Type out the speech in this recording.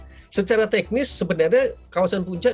nah secara teknis sebenarnya kawasan puncak